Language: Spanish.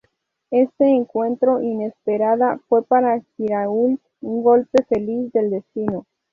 Este encuentro inesperada fue para Girault un golpe feliz del destino.